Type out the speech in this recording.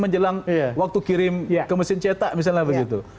menjelang waktu kirim ke mesin cetak misalnya begitu